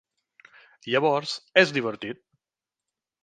Llavors és divertit.